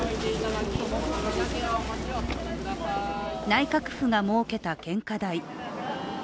内閣府が設けた献花台。